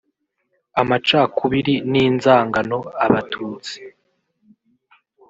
amacakubiri n’inzangano Abatutsi